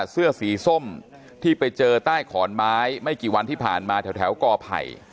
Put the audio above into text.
เสื้อสีส้มที่ไปเจอใต้ขอนไม้ไม่กี่วันที่ผ่านมาแถวกอไผ่